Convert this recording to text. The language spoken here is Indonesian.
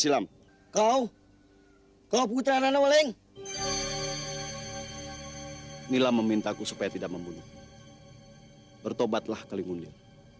dalam kau kau putra nanawaling nila memintaku supaya tidak membunuh bertobatlah kelingunil